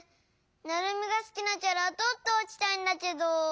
ナルミがすきなキャラとっておきたいんだけど。